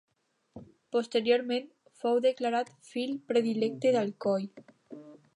Posteriorment fou declarat fill predilecte d'Alcoi.